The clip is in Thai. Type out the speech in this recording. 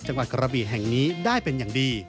จังหวัดกระบีแห่งนี้ได้เป็นอย่างดี